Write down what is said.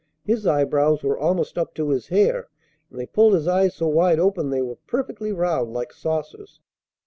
His eyebrows were almost up to his hair, and they pulled his eyes so wide open they were perfectly round like saucers.